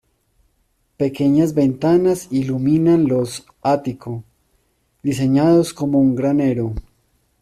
Pequeñas ventanas iluminan los ático, diseñados como un granero.